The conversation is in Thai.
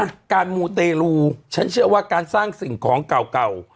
อ่ะการมูเตรลูฉันเชื่อว่าการสร้างสิ่งของเก่าเก่า